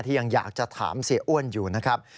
ยังอยากจะถามเสียอ้วนอยู่นะครับ